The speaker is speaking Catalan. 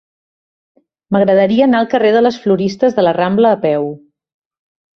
M'agradaria anar al carrer de les Floristes de la Rambla a peu.